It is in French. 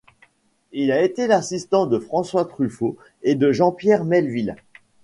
Il a été l'assistant de François Truffaut et de Jean-Pierre Melville.